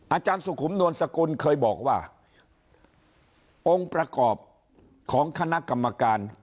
อาจารย์สุขุมนวลสกุลเคยบอกว่าองค์ประกอบของคณะกรรมการ